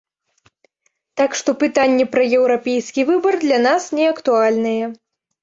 Так што пытанне пра еўрапейскі выбар для нас не актуальнае.